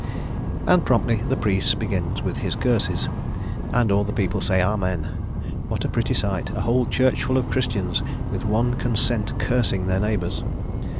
And promptly the priest begins with his curses, and all the people say Amen: what a pretty sight a whole church full of Christians with one consent cursing their neighbours!